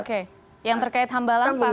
oke yang terkait hamba lang pak ramad